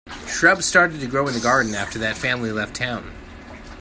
Shrubs started to grow in the garden after that family left town.